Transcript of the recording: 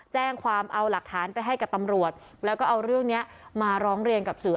แจ้งความเอาหลักฐานไปให้กับตำรวจแล้วก็เอาเรื่องนี้มาร้องเรียนกับสื่อ